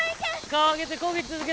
顔上げてこぎ続け